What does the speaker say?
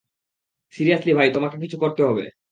Seriously, ভাই, তোমাকে কিছু করতে হবে।